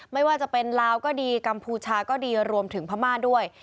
ไม่ว่าจะเป็นลาวก็ดีกัมพูชาก็ดีรวมถึงพม่าด้วย